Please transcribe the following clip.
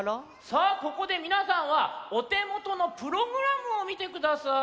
さあここでみなさんはおてもとのプログラムをみてください。